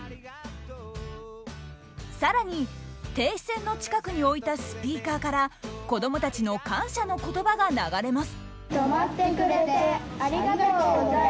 さらに、停止線の近くに置いたスピーカーから、子どもたちの感謝のことばが流れます。